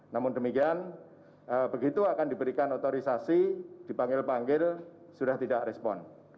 namun demikian begitu akan diberikan otorisasi dipanggil panggil sudah tidak respon